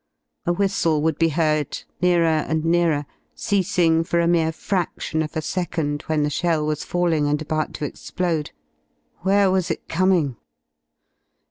A whi^le would be heard, nearer and nearer. 66 ceasing for a mere fraction of a second when the shell was A' falling and about to explode. Where was it coming?